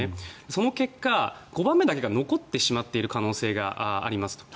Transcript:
その結果５番目だけは残ってしまっている可能性がありますと。